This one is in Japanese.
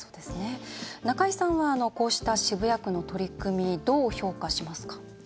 中井さんはこうした渋谷区の取り組みどう評価しますか？